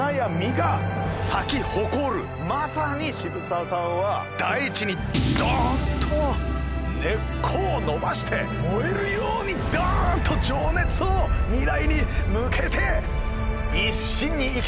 まさに渋沢さんは大地にドンと根っこを伸ばして燃えるようにドンと情熱を未来に向けて一心に生きたのが栄一さんでございます。